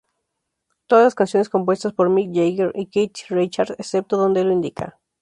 Todas las canciones compuestas por Mick Jagger y Keith Richards, excepto donde lo indica